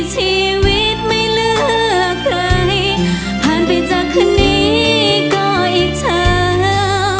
ชีวิตไม่เหลือใครผ่านไปจากคนนี้ก็อีกเช้า